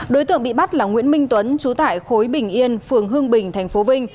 đối tượng bị bắt là nguyễn minh tuấn chú tại khối bình yên phường hương bình tp vinh